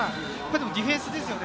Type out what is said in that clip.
でもディフェンスですね。